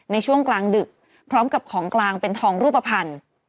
ในช่วงกลางดึกพร้อมกับของกลางเป็นทองรูปภัณฑ์